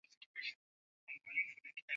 Mwende mu ka paluriye mu mashamba na ba mama yabo